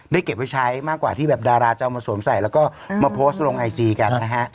เก็บไว้ใช้มากกว่าที่แบบดาราจะเอามาสวมใส่แล้วก็มาโพสต์ลงไอจีกันนะฮะ